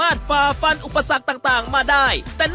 การที่บูชาเทพสามองค์มันทำให้ร้านประสบความสำเร็จ